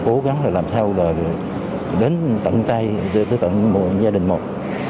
cố gắng làm sao để đến tận gia đình một